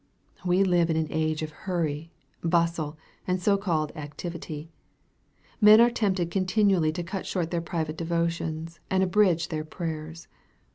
We live in an age of hurry, bustle, and so called activity. Men are tempted contin ually to cut short their private devotions, and abridge their prayers.